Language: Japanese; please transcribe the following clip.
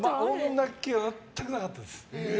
女っ気は全くなかったです。